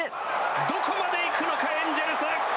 どこまで行くのかエンジェルス。